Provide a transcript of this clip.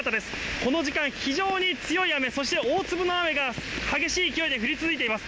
この時間、非常に強い雨、そして大粒の雨が激しい勢いで降り続いています。